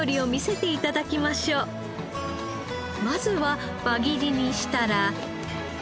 まずは輪切りにしたら。